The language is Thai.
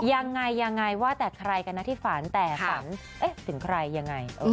ยังไงยังไงว่าแต่ใครกันนะที่ฝันแต่ฝันถึงใครยังไง